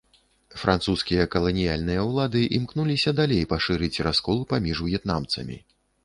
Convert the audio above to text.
Французскія каланіяльныя ўлады імкнуліся далей пашырыць раскол паміж в'етнамцамі.